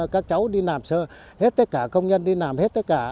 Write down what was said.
các cháu đi làm sơ hết tất cả công nhân đi làm hết tất cả